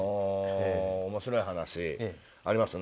面白い話あります？